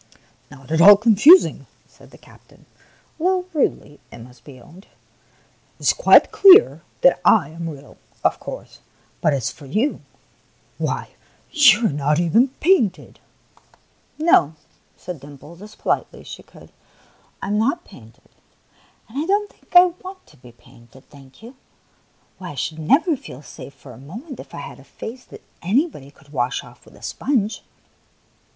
"Not at all confusing," said the captain, a little rudely it must be owned. " It is quite clear that I am real, of course ; but as for you — why, you are not even painted !" 136 THE PALACE ON THE FLOOR " No," said Dimples, as politely as she could, " I am not painted, and I don't think I want to be painted, thank you. Why, I should never feel safe for a moment if I had a face that anybody could wash off with a sponge!"